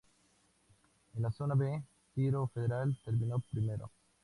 En la Zona "B", Tiro Federal terminó primero.